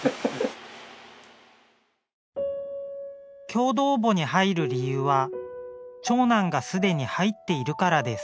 共同墓に入る理由は長男がすでに入っているからです。